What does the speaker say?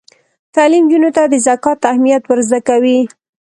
تعلیم نجونو ته د زکات اهمیت ور زده کوي.